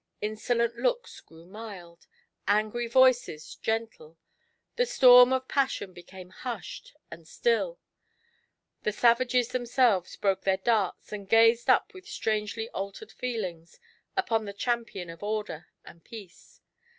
Insolent looks grew mild, angry voices gentle, the storm of passion became hushed and stilL The savages themselves broke their darts, and gazed up with strangely altered feelings upon the champion of order and peace.